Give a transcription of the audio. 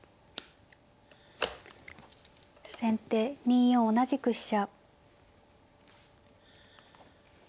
先手２四同じく飛車。